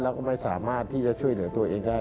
แล้วก็ไม่สามารถที่จะช่วยเหลือตัวเองได้